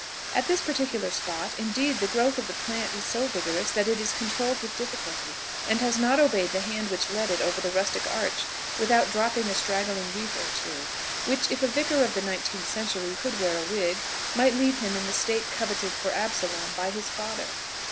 At this particular spot, indeed, the growth of the plant is so vigorous, that it is controlled with difficulty, and has not obeyed the hand which led it over the rustic arch without dropping a straggling wreath or two, which if a vicar of the nineteenth century could wear a wig, might leave him in the state coveted for Absalom by his father.